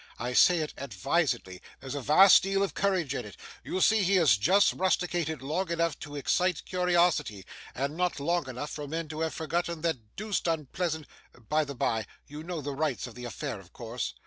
I say it advisedly; there's a vast deal of courage in it. You see he has just rusticated long enough to excite curiosity, and not long enough for men to have forgotten that deuced unpleasant by the bye you know the rights of the affair, of course?